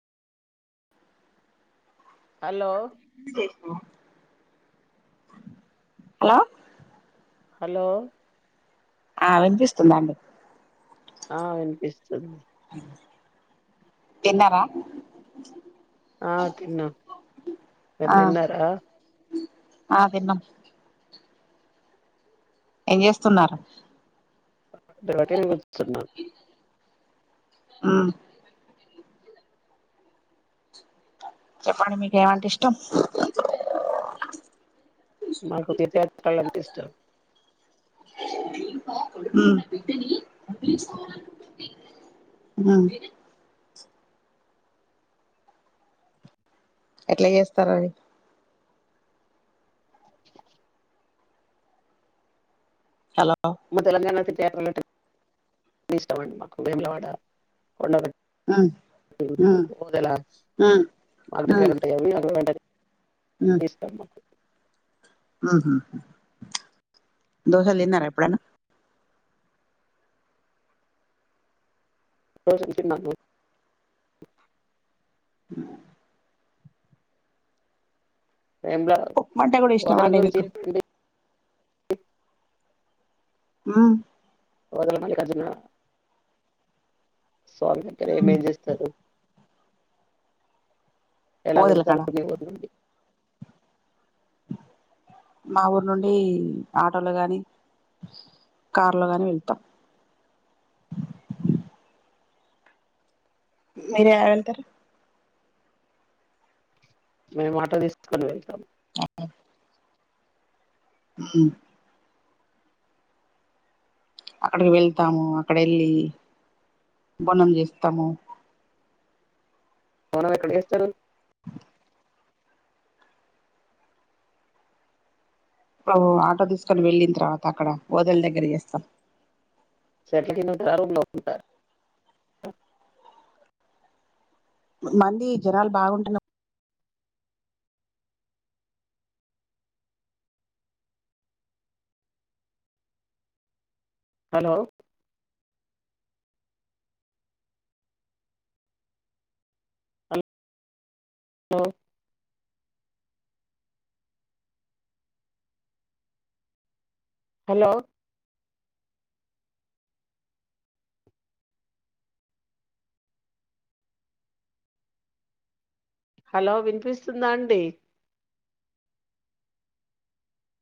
hello hello hello ఆ వినిపిస్తుందా అండి ఆ వినిపిస్తుంది తీన్నారా ఆ తిన్నం మీరు ఆ తిన్నారా ఆ తిన్న ఏం చేస్తున్నారు ఉరికెనే కూర్చున్న ఆ చెప్పండి మీకేమంటే ఇష్టం మాకు అంటే ఇష్టం అ ఎట్లా చేస్తార అవి హలో తెలంగాణ సిష్ట మాకు మేలవాడ కొ మ్మ్ మ్మ్ దలా మ్మ్ మ క మ్మ్ అ మ ఇ దోశ తిన్నారా ఎప్పుడనా దోశలు తిన్నాము ఉ ఉప్మా అంటే కూడా న ఇష్టమా అండి మీకు దల ఆ వదల మిక అజ స్వామి అంటారు మ్మ్ ఏమేం చేస్తారు ఎలాగ ఓదెల కాడ జరుగే ఉండి మా ఊరు నుండి ఆటోలు గాని కాార్లోగానే వెళతా మీర ఎ వెళ్తారు మేము మాట తీసుకొని వెళ్తాం ఆ హ అక్కడికి వెళ్తాము అక్కడ వెళ్ళి బొన్నం చేస్తాము పోనం ఎక్కడికి ఇస్తారు బ ఆటో తీసుకొని వెళ్ళిన తర్వాత అక్కడ ఓదల దగ్గర చేస్తాం ంట అ లో ఉంట మంది జనాలు బాగుంటున్నా హలో అల్ లో హలో హలో విన్పిస్తుందా అండి